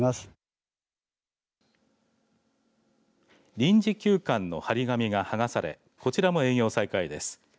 臨時休館の貼り紙がはがされこちらも営業再開です。